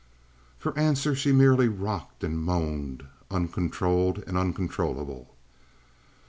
For answer she merely rocked and moaned, uncontrolled and uncontrollable.